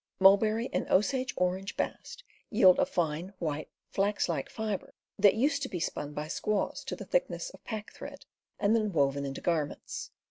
Mulberry and Osage orange bast yield a fine, white, flax like fiber, that used to be spun by squaws to the thickness of packthread and then woven into garments.